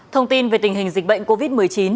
thông tin về tình hình dịch bệnh covid một mươi chín